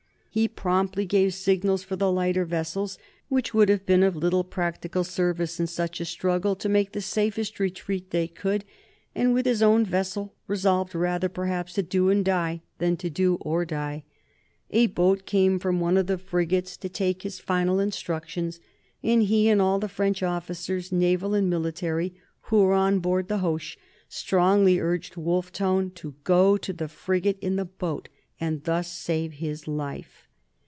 He promptly gave signals for the lighter vessels, which would have been of little practical service in such a struggle, to make the safest retreat they could, and with his own vessel resolved rather perhaps to do and die than to do or die. A boat came from one of the frigates to take his final instructions, and he and all the French officers, naval and military, who were on board the "Hoche" strongly urged Wolfe Tone to go to the frigate in the boat and thus save his life.